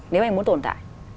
nếu anh muốn tồn tại